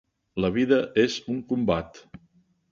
La vida és un combat.